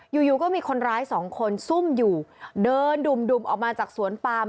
อยู่อยู่ก็มีคนร้ายสองคนซุ่มอยู่เดินดุ่มออกมาจากสวนปาม